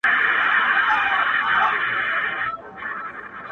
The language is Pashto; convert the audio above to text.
ته مي پـوښــتـــنه د بــابــا مــــــه كــــــوه،